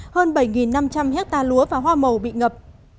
hơn bảy năm trăm linh hectare lúa và hoa màu bị ngập